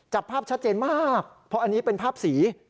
จับภาพชัดเจนมากเพราะอันนี้เป็นภาพสี